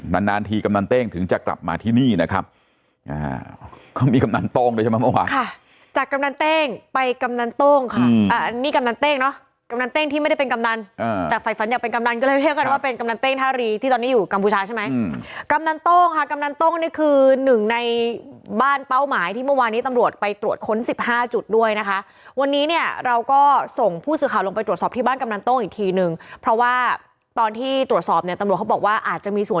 นันนี่นะครับก็มีกำนันตรงเลยใช่ไหมเมื่อวานจากกำนันเต้งไปกำนันตรงค่ะอันนี้กำนันเต้งเนาะกำนันเต้งที่ไม่ได้เป็นกำนันแต่ฝัยฝันอยากเป็นกำนันก็เลยเรียกกันว่าเป็นกำนันเต้งฮารีที่ตอนนี้อยู่กัมพูชาใช่ไหมกำนันตรงค่ะกำนันตรงนี่คือหนึ่งในบ้านเป้าหมายที่เมื่อวานนี้ตำรวจไปตรวจ